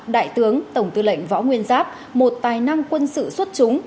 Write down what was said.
đại tướng tổng tư lệnh võ nguyên giáp một tài năng quân sự xuất trúng